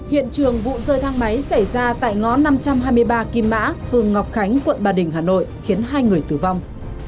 hiện trường vụ rơi thang máy xảy ra tại ngõ năm trăm hai mươi ba kim mã phường ngọc khánh quận ba đình hà nội khiến hai người tử vong